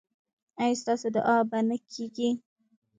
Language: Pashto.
ایا ستاسو دعا به نه کیږي؟